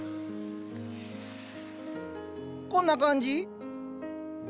こんな感じ？